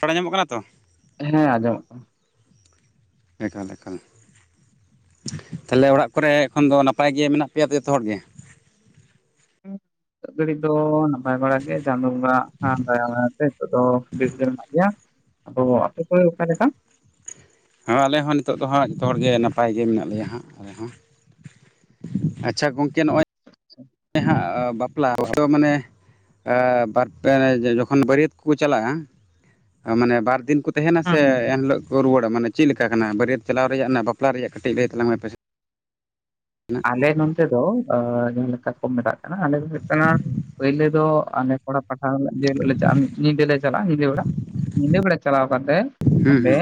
ᱨᱚᱲ ᱧᱟᱢᱚᱜ ᱠᱟᱱᱟ ᱛᱚ ᱦᱮᱸ ᱟᱸᱡᱚᱢᱚᱜ ᱠᱟᱱᱟ᱾ ᱮᱠᱟᱞ ᱮᱠᱟᱞ ᱛᱟᱦᱚᱞᱮ ᱚᱲᱟᱜ ᱠᱚᱨᱮ ᱮᱠᱷᱚᱱ ᱫᱚ ᱱᱟᱯᱟᱭ ᱜᱮ ᱢᱮᱱᱟᱜ ᱯᱮᱭᱟᱚ ᱡᱚᱛᱚ ᱦᱚᱲ ᱜᱮ? ᱱᱤᱛᱚᱜ ᱜᱟᱹᱲᱤᱡ ᱫᱚ [unintelligible] ᱱᱟᱯᱟᱭ ᱵᱟᱲᱟ ᱜᱮ ᱪᱟᱸᱫᱚ ᱵᱚᱸᱜᱟ ᱫᱟᱭᱟᱢᱟᱭᱟ ᱛᱮ ᱱᱤᱛᱚᱜ ᱫᱚ ᱵᱮᱥ ᱜᱮ ᱢᱮᱱᱟᱜ ᱜᱮᱭᱟ᱾ ᱟᱫᱚ ᱟᱯᱮ ᱠᱚ ᱚᱠᱟ ᱞᱮᱠᱟ? ᱦᱮᱸ ᱟᱞᱮᱦᱚᱸ ᱱᱤᱛᱚᱜ ᱫᱚ ᱦᱟᱸᱜ ᱡᱚᱛᱚ ᱦᱚᱲᱜᱮ ᱱᱟᱯᱟᱭ ᱜᱮ ᱢᱮᱱᱟᱜ ᱞᱮᱭᱟ ᱦᱟᱸᱜ ᱟᱞᱮ ᱦᱚᱸ᱾ ᱟᱪᱪᱷᱟ ᱜᱚᱝᱠᱮ ᱱᱚᱜᱼᱚᱭ ᱟᱪᱪᱷᱟ ᱦᱮ ᱦᱟᱸᱜ ᱵᱟᱯᱞᱟ ᱦᱚᱭᱛᱳ ᱢᱟᱱᱮ ᱟᱨ ᱡᱚᱠᱷᱚᱱ ᱵᱟᱹᱨᱭᱟᱹᱛ ᱠᱚᱠᱚ ᱪᱟᱞᱟᱜᱼᱟ ᱢᱟᱱᱮ ᱵᱟᱨᱫᱤᱱ ᱠᱚ ᱛᱟᱦᱮᱱᱟ ᱥᱮ ᱦᱩᱸ ᱦᱩᱸ ᱮᱱᱦᱤᱞᱳᱜ ᱠᱚ ᱨᱩᱣᱟᱹᱲᱟ ᱢᱟᱱᱮ ᱪᱮᱫ ᱞᱮᱠᱟ ᱠᱟᱱᱟ ᱵᱟᱹᱨᱭᱟᱹᱛ ᱪᱟᱞᱟᱣ ᱨᱮᱭᱟᱜ ᱨᱮᱱᱟᱜ ᱵᱟᱯᱞᱟ ᱨᱮᱭᱟᱜ ᱠᱟᱹᱴᱤᱡ ᱞᱟᱹᱭ ᱛᱟᱞᱟᱝ ᱢᱮ ᱟᱯᱮ ‌ᱥᱮᱜ? ᱟᱞᱮ ᱱᱚᱛ ᱫᱚ ᱡᱟᱦᱟᱸ ᱞᱮᱠᱟ ᱠᱚ ᱢᱮᱛᱟᱜ ᱠᱟᱱᱟ ᱟᱞᱮ ᱫᱚ ᱦᱩᱭᱩᱜ ᱠᱟᱱᱟ ᱯᱳᱭᱞᱳ ᱫᱚ ᱟᱞᱮ ᱠᱚᱲᱟ ᱯᱟᱦᱟᱴᱟ ᱠᱷᱚᱱᱟᱜ ᱞᱮ ᱪᱟᱞᱟᱜᱼᱟ ᱧᱤᱫᱟᱹ ᱞᱮ ᱪᱟᱞᱟᱜᱼᱟ ᱧᱤᱫᱟᱹ ᱵᱮᱲᱟ ᱧᱤᱫᱟᱹ ᱵᱮᱲᱟ ᱠᱚ ᱪᱟᱞᱟᱜ ᱠᱟᱛᱮ ᱦᱩᱸ ᱚᱸᱰᱮ ᱦᱩᱸ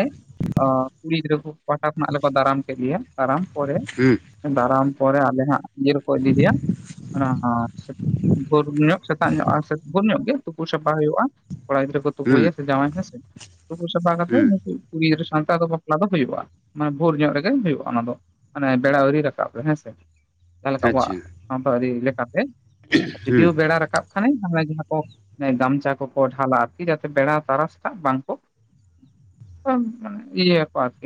ᱠᱩᱲᱤ ᱜᱤᱫᱽᱨᱟᱹ ᱠᱚ ᱯᱟᱦᱴᱟ ᱠᱷᱚᱱᱟᱜ ᱞᱮᱠᱚ ᱫᱟᱨᱟᱢ ᱠᱮᱫ ᱞᱮᱭᱟ ᱫᱟᱨᱟᱢ ᱯᱚᱨᱮ ᱦᱩᱸ ᱫᱟᱨᱟᱢ ᱯᱚᱨᱮ ᱟᱞᱮ ᱦᱟᱸᱜ ᱤᱡᱟᱹ ᱨᱮᱠᱚ ᱤᱫᱤᱭᱤᱫᱮᱤᱭᱟ ᱵᱷᱳᱨ ᱧᱚᱜ ᱥᱮᱛᱟᱜ ᱧᱚᱜ ᱥᱮ ᱵᱷᱳᱨ ᱧᱚᱜ ᱜᱮ ᱛᱩᱯ ᱥᱟᱯᱷᱟ ᱦᱩᱭᱩᱜᱼᱟ ᱠᱚᱲᱟ ᱜᱤᱫᱽᱨᱟᱹ ᱠᱚ ᱦᱩᱸ ᱛᱩᱯᱩᱭᱟ ᱥᱮ ᱡᱟᱶᱟᱭ ᱦᱮᱸᱥᱮ ᱛᱩᱯᱩ ᱥᱟᱯᱷᱟ ᱠᱟᱛᱮ ᱦᱩᱸ ᱱᱩᱠᱩ ᱠᱩᱲᱤ ᱜᱤᱫᱽᱨᱟᱹ ᱥᱟᱶᱛᱮ ᱟᱫᱚ ᱵᱟᱯᱞᱟ ᱫᱚ ᱦᱩᱭᱩᱜᱼᱟ ᱢᱟᱱᱮ ᱵᱷᱳᱨ ᱧᱚᱜ ᱨᱮᱜᱮ ᱦᱩᱭᱩᱜᱼᱟ ᱚᱱᱟ ᱫᱚ ᱢᱟᱱᱮ ᱵᱮᱲᱟ ᱟᱹᱣᱨᱤ ᱨᱟᱠᱟᱵ ᱨᱮ ᱦᱮᱸ ᱡᱟᱦᱟᱸᱞᱮᱠᱟ ᱟᱵᱚᱣᱟᱜ ᱟᱪᱪᱷᱟ ᱥᱟᱶᱛᱟ ᱟᱹᱨᱤ ᱞᱮᱠᱟᱛᱮ ᱦᱩᱸ ᱡᱩᱫᱤᱭᱳ ᱵᱮᱲᱟ ᱨᱟᱠᱟᱵ ᱠᱷᱟᱱᱮ ᱡᱟᱦᱟᱸ ᱜᱮ ᱦᱟᱸᱜ ᱠᱚ ᱜᱟᱢᱪᱟ ᱠᱚᱠᱚ ᱰᱷᱟᱞᱟ ᱟᱨᱠᱤ ᱡᱟᱛᱮ ᱵᱮᱲᱟ ᱛᱟᱨᱟᱥᱟ ᱵᱟᱝᱠᱚ [unintelligible] ᱤᱭᱟᱹᱭᱟᱚ ᱟᱨᱠᱤ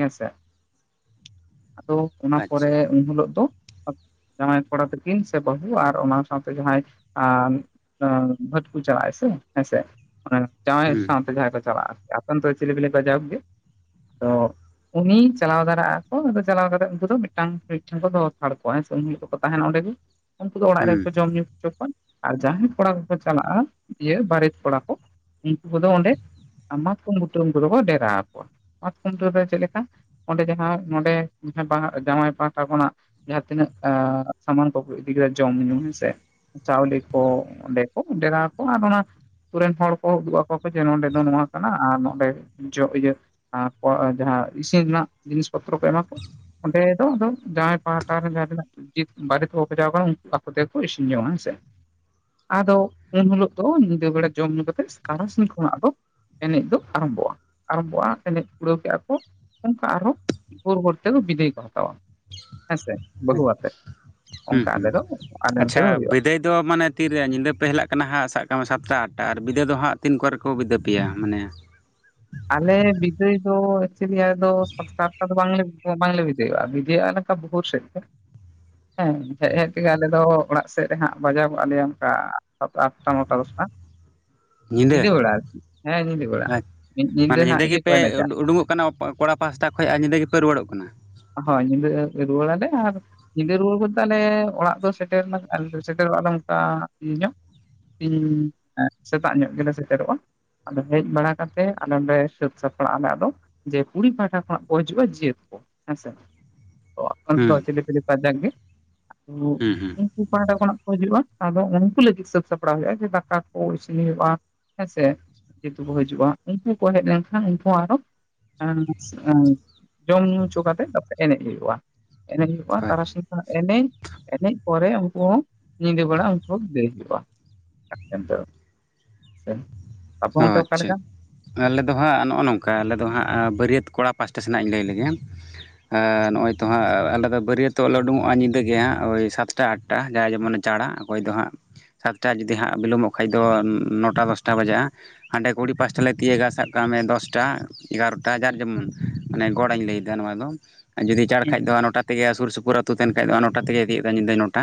ᱚᱱᱟ ᱯᱚᱨᱮ ᱟᱪᱪᱷᱟ ᱩᱱ ᱦᱤᱞᱚᱜ ᱫᱚ ᱡᱟᱶᱟᱭ ᱠᱚᱲᱟ ᱛᱟᱠᱤᱱ ᱥᱮ ᱵᱟᱹᱦᱩ ᱟᱨ ᱚᱱᱟ ᱥᱟᱶᱛᱮ ᱡᱟᱦᱟᱸᱭ ᱵᱷᱷᱟᱴᱠᱩ ᱪᱟᱞᱟᱜ-ᱟᱭ ᱥᱮ ᱦᱮᱸᱥᱮ ᱡᱟᱶᱟᱭ ᱦᱩᱸ ᱥᱟᱶᱛᱮ ᱡᱟᱦᱟᱸᱭ ᱠᱚ ᱪᱟᱞᱟᱜᱼᱟ ᱟᱯᱮ‌ ᱚᱱᱛᱮ ᱪᱤᱞᱤ ᱯᱮ‌ᱞᱟᱹᱭ ᱟᱠᱚᱣᱟ ᱡᱟᱭᱦᱳᱠ ᱜᱮ ᱟᱫᱚ ᱩᱱᱤ ᱪᱟᱞᱟᱣ ᱛᱟᱨᱟᱜ ᱟᱠᱚ ᱟᱫᱚ ᱪᱟᱞᱟᱣ ᱠᱟᱛᱮ ᱩᱱᱠᱩ ᱫᱚ ᱢᱤᱫᱴᱟᱝ ᱢᱤᱫᱴᱮᱱ ᱠᱚ ᱫᱚᱦᱚ ᱦᱟᱛᱟᱲ ᱠᱚᱣᱟ ᱦᱮᱸᱥᱮ ᱩᱱ ᱦᱤᱞᱚᱜ ᱫᱚᱠᱚ ᱛᱟᱦᱮᱱᱟ ᱚᱸᱰᱮ ᱜᱮ ᱩᱱᱠᱩ ᱫᱚ ᱚᱲᱟᱜ ᱦᱩᱸ ᱨᱮᱜᱮ ᱠᱚ ᱡᱚᱢ ᱧᱩ [unintelligible] ᱟᱨ ᱡᱟᱦᱟᱸᱭ ᱠᱚᱲᱟ ᱠᱚᱠᱚ ᱪᱟᱞᱟᱜᱼᱟ ᱤᱭᱟᱹ ᱵᱟᱨᱮᱛ ᱠᱚᱲᱟ ᱠᱚ ᱩᱱᱠᱩ ᱠᱚᱫᱚ ᱚᱸᱰᱮ ᱟᱢᱟᱛᱠᱚᱢ ᱢᱩᱛᱨᱚᱢ ᱠᱚᱫᱚ ᱠᱚ ᱰᱮᱨᱟ ᱟᱠᱚᱣᱟ ᱢᱟᱜ ᱠᱷᱩᱱᱴᱟᱹᱣ ᱫᱚ ᱪᱮᱫ ᱞᱮᱠᱟ ᱚᱸᱰᱮ ᱡᱟᱦᱟᱸ ᱱᱚᱰᱮ ᱡᱟᱦᱟᱸᱭ ᱡᱟᱶᱟᱭ ᱯᱟᱦᱴᱟ ᱠᱷᱚᱱᱟᱜ ᱡᱟᱦᱟᱸ ᱛᱤᱱᱟᱹᱜ ᱥᱟᱢᱟᱱ ᱠᱚᱠᱚ ᱤᱫᱤ ᱠᱮᱫᱟ ᱡᱚᱢ ᱧᱩ ᱦᱮᱸᱥᱮ ᱪᱟᱣᱞᱮ ᱠᱚ ᱚᱸᱰᱮ ᱠᱚ ᱰᱮᱨᱟ ᱟᱠᱚ ᱟᱨ ᱚᱱᱟ ᱟᱛᱩ ᱨᱮᱱ ᱦᱚᱲ ᱠᱚ ᱩᱫᱩᱜ ᱟᱠᱚ ᱠᱚ ᱡᱮ ᱱᱚᱰᱮ ᱫᱚ ᱱᱚᱣᱟ ᱠᱟᱱᱟ ᱟᱨ ᱱᱚᱰᱮ ᱡᱚ ᱤᱭᱟᱹ ᱟᱠᱚᱣᱟᱜ ᱡᱟᱦᱟᱸ ᱤᱥᱤᱱ ᱨᱮᱱᱟᱜ ᱡᱤᱱᱤᱥ ᱯᱚᱛᱨᱚ ᱠᱚ ᱮᱢᱟ ᱠᱚ ᱚᱸᱰᱮ ᱫᱚ ᱟᱫᱚ ᱡᱟᱦᱟᱸᱭ ᱯᱟᱦᱴᱟ ᱨᱮ ᱡᱟᱦᱟᱸ ᱛᱤᱱᱟᱹᱜ [unintelligible] ᱠᱟᱱᱟ ᱩᱱᱠᱩ ᱟᱠᱚ ᱛᱮᱠᱚ ᱤᱥᱤᱱ ᱡᱚᱝᱟ ᱦᱮᱸᱥᱮ ᱟᱫᱚ ᱩᱱ ᱦᱤᱞᱳᱜ ᱫᱚ ᱧᱤᱫᱟᱹ ᱵᱮᱲᱟ ᱡᱚᱢ ᱧᱩ ᱠᱟᱛᱮᱜ ᱛᱟᱨᱟᱥᱤᱧ ᱠᱷᱚᱱᱟᱜ ᱫᱚ ᱮᱱᱮᱡ ᱫᱚ ᱟᱨᱟᱢᱵᱷᱚᱜᱼᱟ, ᱟᱨᱟᱢᱵᱷᱚᱜᱼᱟ ᱮᱱᱮᱡ ᱯᱩᱨᱟᱹᱣ ᱠᱮᱜᱼᱟ ᱠᱚ ᱚᱱᱠᱟ ᱟᱨᱦᱚᱸ ᱵᱷᱳᱨ ᱵᱷᱳᱨ ᱛᱮ ᱵᱤᱫᱟᱹᱭ ᱠᱚ ᱦᱟᱛᱟᱣᱟ ᱦᱮᱸᱥᱮ ᱵᱟᱹᱦᱩ ᱟᱛᱮ ᱦᱩᱸ ᱚᱱᱠᱟ ᱦᱩᱸ ᱟᱞᱮ ᱫᱚ ᱟᱞᱮ ᱚᱱᱛᱮ ᱫᱚ ᱟᱪᱪᱷᱟ ᱦᱩᱭᱩᱜᱼᱟ ᱵᱤᱫᱟᱹᱭ ᱫᱚ ᱢᱟᱱᱮ ᱛᱤᱨᱮ ᱧᱤᱫᱟᱹ ᱯᱮ ᱦᱮᱟᱜ ᱠᱟᱱᱟ ᱦᱟᱜ ᱥᱟᱵ ᱠᱟᱜ ᱢᱮ ᱥᱟᱛᱴᱟ ᱟᱴᱴᱟ ᱟᱨ ᱵᱤᱫᱟᱹᱭ ᱫᱚ ᱦᱟᱸᱜ ᱛᱤᱱ ᱠᱚᱨᱮ ᱠᱚ ᱵᱤᱫᱟᱹᱭ ᱯᱮᱭᱟ ᱢᱟᱱᱮ ᱟᱞᱮ ᱵᱤᱫᱟᱹᱭ ᱫᱚ ᱮᱠᱪᱩᱭᱮᱞᱤ ᱟᱞᱮ ᱫᱚ ᱥᱟᱛᱴᱟ ᱟᱴᱴᱟ ᱫᱚ ᱵᱟᱝᱞᱮ ᱵᱟᱝᱞᱮ ᱵᱤᱫᱟᱹᱭᱚᱜᱼᱟ ᱵᱤᱫᱟᱹᱭᱼᱟ ᱞᱮᱠᱟ ᱵᱷᱚᱨ ᱥᱮᱫ ᱛᱮ [inaudible] ᱦᱮᱸ ᱦᱮᱡ ᱦᱮᱡ ᱛᱮᱜᱮ ᱟᱞᱮ ᱫᱚ ᱚᱲᱟᱜ ᱥᱮᱫ ᱨᱮ ᱦᱟᱸᱜ ᱵᱟᱡᱟᱣ ᱜᱚᱜ ᱟᱞᱮᱭᱟ ᱚᱱᱠᱟ ᱟᱴᱴᱟ ᱱᱚᱴᱟ ᱫᱚᱥᱴᱟ ᱧᱤᱫᱟᱹ ᱵᱮᱲᱟ, ᱦᱮᱸ ᱧᱤᱫᱟᱹ ᱵᱮᱲᱟ ᱢᱤᱫ ᱢᱟᱱᱮ ᱦᱟᱸᱜ ᱧᱤᱫᱟᱹ ᱤᱭᱟᱹ ᱠᱚ ᱜᱮᱯᱮ ᱮᱱᱮᱡᱟ ᱩᱰᱩᱝᱚᱜ ᱠᱟᱱᱟ ᱠᱚᱲᱟ ᱯᱟᱥᱴᱟ ᱠᱷᱚᱭ ᱟᱨ ᱧᱤᱫᱟᱹ ᱜᱮᱯᱮ ᱨᱩᱣᱟᱹᱲᱚᱜ ᱠᱟᱱᱟ ᱦᱚᱭ ᱧᱤᱫᱟᱹ ᱨᱩᱣᱟᱹᱲᱟᱞᱮ ᱟᱨ ᱧᱤᱫᱟᱹ ᱨᱩᱣᱟᱹᱲ ᱵᱚᱞᱛᱮ ᱟᱞᱮ ᱚᱲᱟᱜ ᱫᱚ ᱥᱮᱴᱮᱨ ᱥᱮᱴᱮᱨᱚ ᱟᱞᱮ ᱚᱱᱠᱟ ᱤᱭᱟᱹ ᱧᱚᱜ ᱤᱧ ᱥᱮᱛᱟᱜ ᱧᱚᱜ ᱜᱮᱞᱮ ᱥᱮᱴᱮᱨᱚᱜᱼᱟ ᱟᱫᱚ ᱦᱮᱡ ᱵᱟᱲᱟ ᱠᱟᱛᱮ ᱟᱞᱮ ᱱᱚᱸᱰᱮ ᱥᱟᱹᱛ ᱥᱟᱯᱲᱟᱜ ᱟᱞᱮ ᱟᱫᱚ ᱡᱮ ᱠᱩᱲᱤ ᱯᱟᱣᱴᱟ ᱠᱷᱚᱱᱟᱜ ᱠᱚ ᱦᱤᱡᱩᱜᱼᱟ ᱡᱤᱣᱟᱹᱛ ᱠᱚ ᱦᱮᱸᱥᱮ ᱟᱯᱮ ᱫᱚ ᱦᱩᱸ ᱪᱮᱞᱮ ᱯᱮ ᱞᱮ ᱠᱚᱣᱟ ᱡᱟᱜᱜᱮ ᱦᱩᱸ ᱦᱩᱸ [unintelligible] ᱯᱟᱦᱴᱟ ᱠᱷᱚᱱᱟᱜ ᱠᱚ ᱦᱤᱡᱩᱜᱼᱟ ᱟᱫᱚ ᱩᱱᱠᱩ ᱞᱟᱹᱜᱤᱫ ᱥᱟᱹᱛ ᱥᱟᱯᱲᱟᱣ ᱦᱩᱭᱩᱜᱼᱟ ᱡᱮ ᱫᱟᱠᱟ ᱠᱚ ᱤᱥᱤᱱ ᱦᱩᱭᱩᱜ-ᱟ ᱦᱮᱸᱥᱮ ᱡᱮᱦᱮᱛᱩ ᱠᱚ ᱦᱟᱹᱡᱩᱜᱼᱟ ᱩᱱᱠᱩ ᱠᱚ ᱦᱮᱡ ᱞᱮᱱᱠᱷᱟᱱ ᱩᱱᱠᱩ ᱟᱨᱚ ᱡᱚᱢ ᱧᱩ ᱦᱚᱪᱚ ᱠᱟᱛᱮ ᱛᱟᱯᱚᱨᱮ ᱮᱱᱮᱡ ᱦᱩᱭᱩᱜᱼᱟ ᱮᱱᱮᱡ ᱦᱩᱭᱩᱜᱼᱟ ᱟᱪᱪᱷᱟ ᱛᱟᱨᱟᱥᱤᱧ ᱮᱱᱮᱡ ᱮᱱᱮᱡ ᱯᱚᱨᱮ ᱩᱱᱠᱩ ᱦᱚᱸ ᱧᱤᱫᱟᱹ ᱵᱮᱲᱟ ᱩᱱᱠᱩ ᱦᱚᱸ ᱵᱤᱫᱟᱹᱭ ᱦᱩᱭᱩᱜᱼᱟ [inaudible] ᱥᱮᱱ ᱚ ᱟᱪᱪᱷᱟ ᱟᱞᱮᱫ ᱫᱚ ᱦᱟᱸᱜ ᱱᱚᱜ-ᱚ ᱱᱚᱝᱠᱟ ᱟᱞᱮ ᱫᱚ ᱦᱟᱸᱜ ᱵᱟᱹᱨᱭᱟᱹᱛ ᱠᱚᱲᱟ ᱯᱟᱥᱴᱟ ᱥᱮᱱᱟᱜ ᱤᱧ ᱞᱟᱹᱭ ᱞᱮᱜᱮ ᱱᱚᱜᱼᱚᱭ ᱛᱚ ᱦᱟᱸᱜ ᱟᱞᱮ ᱫᱚ ᱵᱟᱹᱨᱭᱟᱹᱛᱚᱜ ᱞᱮ ᱳᱰᱳᱠᱚᱜᱼᱟ ᱧᱤᱫᱟᱹ ᱜᱮ ᱦᱟᱸᱜ ᱳᱭ ᱥᱟᱛ ᱟᱴᱟ ᱟᱴᱟ ᱡᱟᱦᱟᱸᱭ ᱡᱮᱢᱚᱱᱮ ᱪᱟᱲᱟ ᱚᱠᱚᱭ ᱫᱚ ᱦᱟᱸᱜ ᱥᱟᱛᱴᱟ ᱡᱩᱫᱤ ᱦᱟᱸᱜ ᱵᱤᱞᱚᱢᱚᱜ ᱠᱷᱟᱡ ᱫᱚ ᱱᱚᱴᱟ ᱫᱚᱥᱴᱟ ᱵᱟᱡᱟᱜᱼᱟ ᱦᱟᱸᱰᱮ ᱠᱩᱲᱤ ᱯᱟᱥᱴᱟ ᱞᱮ ᱛᱤᱭᱳᱜᱟ ᱥᱟᱵ ᱠᱟᱜ ᱢᱮ ᱫᱚᱥᱴᱟ ᱮᱜᱟᱨᱚᱴᱟ ᱡᱟᱨ ᱡᱮᱢᱚᱱ ᱢᱟᱱᱮ ᱜᱚᱲᱟ ᱤᱧ ᱞᱟᱹᱭᱫᱟ ᱱᱚᱣᱟ ᱫᱚ ᱡᱩᱫᱤ ᱪᱟᱲ ᱠᱷᱟᱡ ᱦᱩᱸ ᱫᱚ ᱱᱚᱴᱟ ᱛᱮᱜᱮ ᱥᱩᱨ ᱥᱩᱯᱩᱨ ᱟᱹᱛᱩ ᱛᱟᱦᱮᱱ ᱠᱷᱟᱡ ᱫᱚ ᱱᱚᱴᱟ ᱛᱮᱜᱮ ᱛᱤᱭᱳᱜᱫᱟᱭ ᱧᱤᱫᱟᱹ ᱱᱚᱴᱟ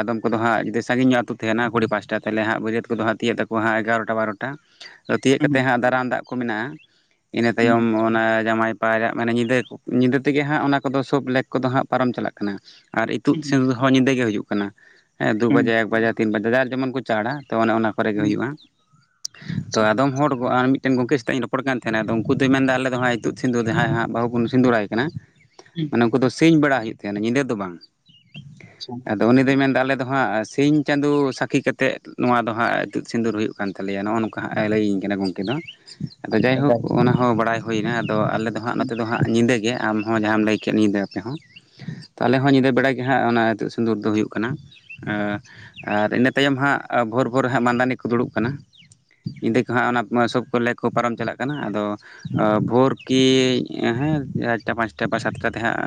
ᱟᱫᱚᱢ ᱠᱚᱫᱚ ᱦᱟᱸᱜ ᱡᱩᱫᱤ ᱥᱟᱺᱜᱤᱧᱚᱜ ᱟᱹᱛᱳ ᱛᱟᱦᱮᱱᱟ ᱠᱩᱲᱤ ᱯᱟᱥᱴᱟ ᱛᱟᱦᱟᱞᱮ ᱦᱟᱸᱜ [inaudible] ᱛᱤᱭᱳᱜ ᱛᱟᱠᱚᱭᱟ ᱦᱟᱸᱜ ᱮᱜᱟᱨᱚ ᱴᱟ ᱵᱟᱨᱚᱴᱟ ᱛᱤᱭᱳᱜ ᱠᱟᱛᱮ ᱦᱩᱸ ᱦᱟᱸᱜ ᱫᱟᱨᱟᱱ ᱫᱟᱜ ᱠᱚ ᱢᱤᱱᱟᱜᱼᱟ ᱤᱱᱟᱹ ᱛᱟᱭᱚᱢ ᱦᱩᱸ ᱚᱱᱟ ᱡᱟᱢᱟᱭ ᱯᱟᱭᱨᱟᱜ ᱢᱟᱱᱮ ᱧᱤᱫᱟᱹ ᱧᱤᱫᱟᱹ ᱛᱮᱜᱮ ᱦᱟᱸᱜ ᱚᱱᱟ ᱠᱚᱫᱚ ᱥᱳᱵ ᱞᱮᱠ ᱠᱚᱫᱚ ᱦᱟᱸᱜ ᱯᱟᱨᱚᱢ ᱪᱟᱞᱟᱜ ᱠᱟᱱᱟ ᱟᱨ ᱤᱛᱩᱫ ᱦᱩᱸ [inaudible] ᱦᱚᱸ ᱧᱤᱫᱟᱹ ᱜᱮ ᱦᱩᱭᱩᱜ ᱠᱟᱱᱟ ᱦᱮᱸ ᱫᱩ ᱦᱩᱸ ᱵᱟᱡᱮ ᱮᱠ ᱵᱟᱡᱮ ᱛᱤᱱ ᱵᱟᱡᱮ ᱡᱟᱨ ᱡᱮᱢᱚᱱ ᱠᱚ ᱪᱟᱲᱟ ᱛᱚ ᱚᱱᱟ ᱚᱱᱟ ᱠᱚᱨᱮᱜ ᱜᱮ ᱦᱩᱸ ᱦᱩᱭᱩᱜᱼᱟ ᱛᱚ ᱟᱫᱚᱢ ᱦᱚᱲ ᱟᱨ ᱢᱤᱫᱴᱮᱱ ᱜᱚᱝᱠᱮ ᱥᱟᱛᱟᱜ ᱤᱧ ᱨᱚᱯᱚᱲ ᱠᱟᱱ ᱛᱟᱦᱮᱱᱟ ᱟᱫᱚ ᱩᱱᱠᱩ ᱫᱚᱭ ᱢᱮᱱᱫᱟ ᱟᱞᱮ ᱫᱚ ᱦᱟᱸᱜ ᱱᱤᱛᱩᱜ ᱥᱤᱸᱫᱩᱨ ᱡᱟᱦᱟᱸᱭ ᱦᱟᱸᱜ ᱵᱟᱹᱦᱩ ᱵᱚᱱ ᱥᱤᱸᱫᱩᱨᱟᱭ ᱠᱟᱱᱟ ᱢᱟᱱᱮ ᱩᱱᱠᱩ ᱫᱚ ᱥᱤᱧ ᱵᱮᱲᱟ ᱦᱩᱭᱩᱜ ᱛᱟᱦᱮᱱ ᱧᱤᱫᱟᱹ ᱫᱚ ᱵᱟᱝ [inaudible] ᱟᱫᱚ ᱩᱱᱤ ᱫᱚᱭ ᱢᱮᱱᱫᱟ ᱟᱞᱮᱫ ᱫᱚ ᱦᱟᱸᱜ ᱥᱤᱧ ᱪᱟᱸᱫᱳ ᱥᱟᱹᱠᱷᱤ ᱠᱟᱛᱮᱫ ᱱᱚᱣᱟ ᱫᱚ ᱦᱟᱸᱜ ᱤᱛᱩᱫ ᱥᱤᱸᱫᱩᱨ ᱦᱩᱭᱩᱜ ᱠᱟᱱ ᱛᱟᱞᱮᱭᱟ ᱱᱚᱣᱟ ᱱᱚᱝᱠᱟ ᱦᱟᱸᱜ ᱞᱟᱹᱭᱟᱹᱧ ᱠᱟᱱᱟ ᱜᱚᱢᱠᱮ ᱫᱚ ᱟᱫᱚ ᱟᱪᱪᱷᱟ ᱡᱟᱭᱦᱳᱠ ᱡᱟᱜᱮ ᱚᱱᱟ ᱦᱚᱸ ᱵᱟᱲᱟᱭ ᱦᱩᱭᱱᱟ ᱟᱫᱚ ᱟᱞᱮ ᱟᱫᱚ ᱦᱟᱸᱜ ᱱᱚᱛᱮ ᱫᱚ ᱦᱟᱸᱜ ᱧᱤᱫᱟᱹ ᱜᱮ ᱟᱢᱦᱚᱸ ᱡᱟᱦᱟᱢ ᱞᱟᱹᱭ ᱠᱮᱫ ᱧᱤᱫᱟᱹ ᱟᱯᱮ ᱦᱚᱸ ᱛᱚ ᱟᱞᱮ ᱦᱚᱸ ᱧᱤᱫᱟᱹ ᱵᱟᱲᱟᱭ ᱜᱮ ᱦᱟᱸᱜ ᱚᱱᱟ ᱤᱛᱩᱫ ᱥᱤᱸᱫᱩᱨ ᱫᱚ ᱦᱩᱭᱩᱜ ᱠᱟᱱᱟ ᱟᱨ ᱤᱱᱟᱹ ᱛᱟᱭᱚᱢ ᱦᱟᱸᱜ ᱵᱷᱳᱨ ᱵᱷᱳᱨ ᱦᱟᱸᱜ ᱢᱫᱟᱱᱤ ᱠᱚ ᱫᱩᱲᱩᱵ ᱠᱟᱱᱟ ᱧᱤᱫᱟᱹ ᱠᱚ ᱦᱟᱸᱜ ᱚᱱᱟ ᱥᱚᱵ ᱠᱚᱞᱮ ᱠᱚ ᱯᱟᱨᱚᱢ ᱪᱟᱞᱟᱜ ᱠᱟᱱᱟ ᱟᱫᱚ ᱵᱷᱳᱨ ᱠᱤ ᱦᱮᱸ ᱪᱟ [inaudible] ᱯᱟᱸᱪᱴᱟ ᱥᱟᱛᱴᱟ ᱛᱮ ᱦᱟᱸᱜ